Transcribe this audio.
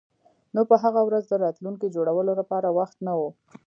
نو په هغه ورځ د راتلونکي جوړولو لپاره وخت نه و